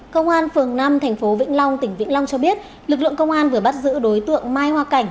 công an phường năm tp vĩnh long tỉnh vĩnh long cho biết lực lượng công an vừa bắt giữ đối tượng mai hoa cảnh